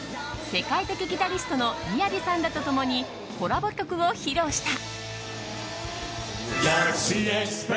世界的ギタリストのＭＩＹＡＶＩさんらと共にコラボ曲を披露した。